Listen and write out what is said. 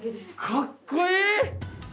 かっこいい！